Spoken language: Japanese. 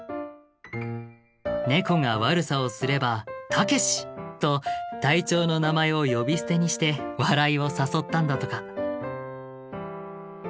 ネコが悪さをすればたけし！と隊長の名前を呼び捨てにして笑いを誘ったんだとか。